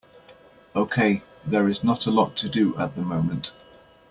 Okay, there is not a lot to do at the moment.